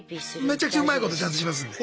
めちゃくちゃうまいことちゃんとしますんで。